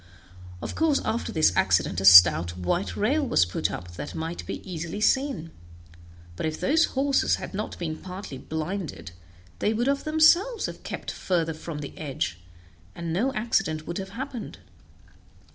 Of course after this accident a stout white rail was put up that might be easily seen, but if those horses had not been partly blinded, they would of themselves have kept further from the edge, and no accident would have happened.